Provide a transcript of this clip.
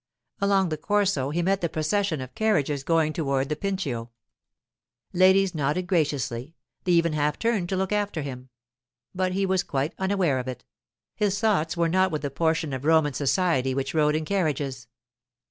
Along the Corso he met the procession of carriages going toward the Pincio. Ladies nodded graciously; they even half turned to look after him. But he was quite unaware of it; his thoughts were not with the portion of Roman society which rode in carriages.